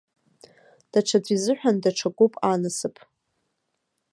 Даҽаӡә изыҳәан даҽакуп анасыԥ.